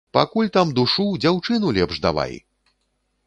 Пакуль там душу, дзяўчыну лепш давай!